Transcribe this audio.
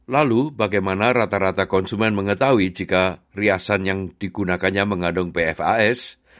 lalu bagaimana rata rata konsumen mengetahui jika riasan yang digunakannya mengandung pfas